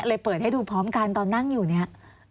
เปิดให้ดูพร้อมกันตอนนั่งอยู่เนี่ย